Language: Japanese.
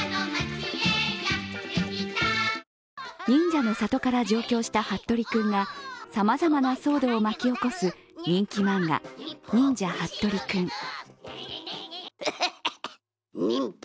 忍者の里から上京したハットリくんがさまざまな騒動を巻き起こす人気漫画「忍者ハットリくん」。